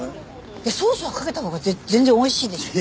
いやソースはかけたほうが全然美味しいでしょ。